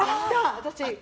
私。